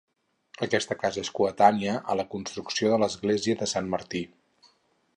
Aquesta casa és coetània a la construcció de l'església de Sant Martí.